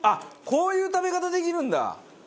こういう食べ方できるんだ。